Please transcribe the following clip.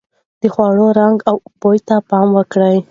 د خوړو رنګ او بوی ته پام وکړئ.